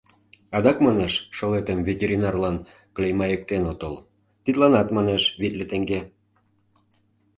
Адак, манеш, шылетым ветеринарлан клеймайыктен отыл; тидланат, манеш, витле теҥге.